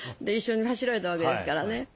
で一緒に走られたわけですからね。